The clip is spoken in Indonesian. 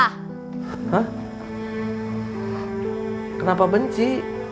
hah kenapa benci